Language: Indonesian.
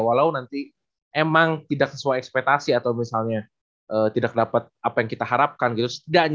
walau nanti emang tidak sesuai ekspetasi atau misalnya tidak dapat apa yang kita harapkan gitu